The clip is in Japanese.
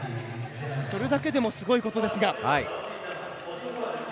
それだけでもすごいことですが。